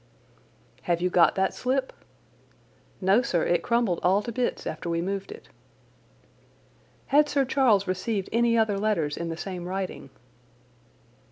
"Have you got that slip?" "No, sir, it crumbled all to bits after we moved it." "Had Sir Charles received any other letters in the same writing?"